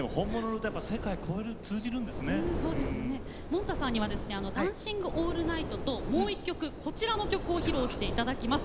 もんたさんには「ダンシング・オールナイト」ともう１曲こちらの曲を披露していただきます。